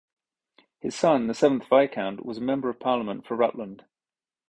His son, the seventh Viscount, was a Member of Parliament for Rutland.